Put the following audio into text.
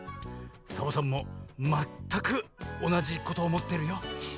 サボさんもまったくおなじことおもってるよ。